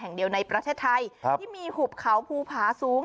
แห่งเดียวในประเทศไทยครับที่มีหุบเขาภูผาสูง